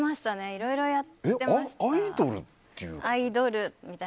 いろいろやってました。